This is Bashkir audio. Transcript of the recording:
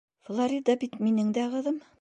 Флорида бит минең дә ҡыҙым.